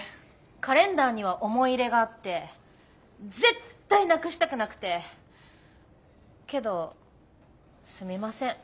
カレンダーには思い入れがあって絶対なくしたくなくてけどすみません